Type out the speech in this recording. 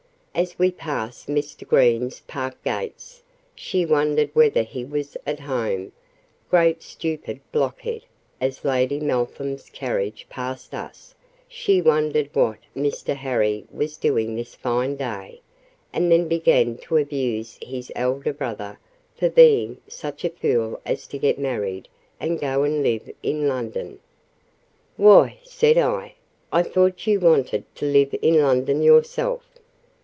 as we passed Mr. Green's park gates, she "wondered whether he was at home—great stupid blockhead"; as Lady Meltham's carriage passed us, she "wondered what Mr. Harry was doing this fine day"; and then began to abuse his elder brother for being "such a fool as to get married and go and live in London." "Why," said I, "I thought you wanted to live in London yourself."